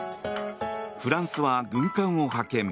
フランスは軍艦を派遣。